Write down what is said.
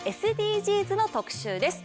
ＳＤＧｓの特集です。